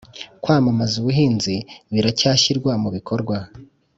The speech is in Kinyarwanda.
kwamamaza ubuhinzi biracyashyirwa mu bikorwa